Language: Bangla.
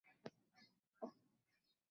রোবটনিক ফিরে এসেছে?